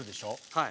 はい。